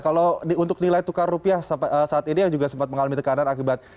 kalau untuk nilai tukar rupiah saat ini yang juga sempat mengalami tekanan akibat